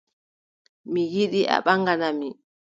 Mi yiɗi a ɓaŋgana mi.